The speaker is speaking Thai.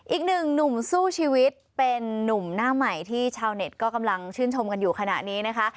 อีกหนึ่งหนุ่มสู้ชีวิตเป็นนุ่มหน้าใหม่ที่ชาวเน็ตก็กำลังชื่นชมกันอยู่ขณะนี้นะคะ